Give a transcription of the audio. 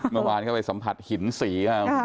เมื่อวานเข้าไปสัมผัสหินสีครับ